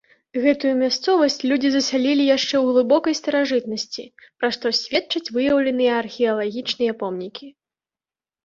Гэтую мясцовасць людзі засялілі яшчэ ў глыбокай старажытнасці, пра што сведчаць выяўленыя археалагічныя помнікі.